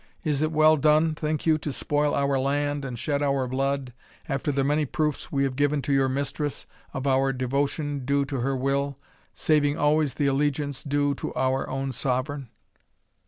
Is it well done, think you, to spoil our land and shed our blood, after the many proofs we have given to your mistress of our devotion due to her will, saving always the allegiance due to our own sovereign?"